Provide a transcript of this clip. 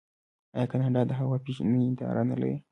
آیا کاناډا د هوا پیژندنې اداره نلري؟